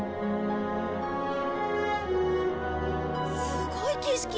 すごい景色！